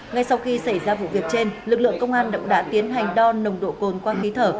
ngay sau khi xảy ra vụ việc trên lực lượng công an đã tiến hành đo nồng độ cồn qua khí thở